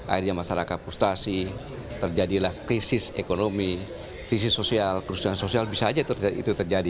akhirnya masyarakat frustasi terjadilah krisis ekonomi krisis sosial kerusuhan sosial bisa saja itu terjadi